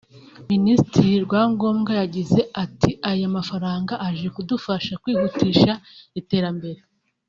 Minisitiri Rwangombwa yagize ati “Aya mafaranga aje kudufasha kwihutisha iterambere